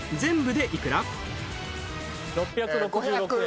６６６円。